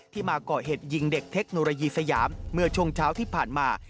มาก่อเหตุยิงเด็กเทคโนโลยีสยามเมื่อช่วงเช้าที่ผ่านมา